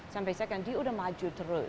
sampai sekarang dia sudah maju terus